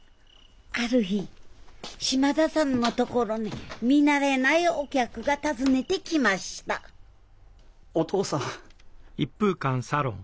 ある日島田さんの所に見慣れないお客が訪ねてきましたお父さん。